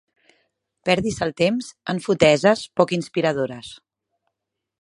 Perdis el temps en foteses poc inspiradores.